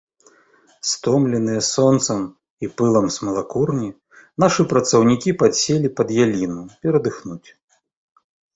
Стомленыя сонцам і пылам смалакурні, нашы працаўнікі падселі пад яліну перадыхнуць.